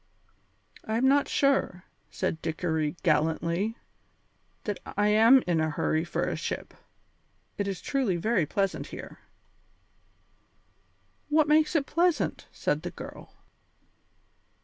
"I am not sure," said Dickory gallantly, "that I am in a hurry for a ship. It is truly very pleasant here." "What makes it pleasant?" said the girl.